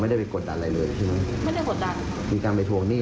เราก็คุยว่าส่วนเงินที่เราให้ไปที่เขาจะใช้อย่างไร